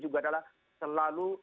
juga adalah selalu